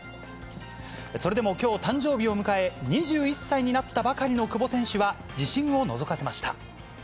それでもきょう、誕生日を迎え、２１歳になったばかりの久保選手は、自信をのぞかせました。